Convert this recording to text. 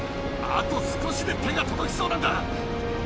あと少しで手が届きそうなんだ。